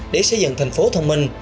để xây dựng thành phố thông minh